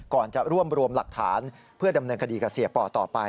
ก่อนจะรวบรวมหลักฐานเพื่อดำเนินคดีกับเสียป่อต่อไป